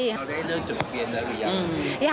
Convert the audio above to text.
มองให้เลิกจุดเกลียนแล้วหรือยัง